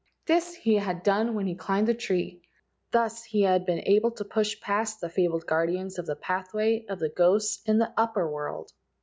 This he had done when he climbed the tree; thus he had been able to push past the fabled guardians of the pathway of the ghosts in the Upper world.